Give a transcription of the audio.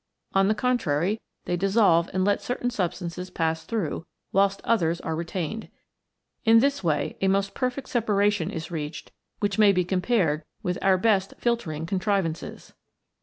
On the contrary they dissolve and let certain substances pass through, whilst others are retained. In this way a most perfect separation is reached which may be compared with our best filtering contrivances.